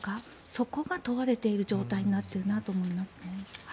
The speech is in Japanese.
そこが問われている状態になっているなと思いますね。